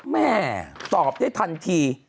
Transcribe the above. แม่ตอบได้ทันที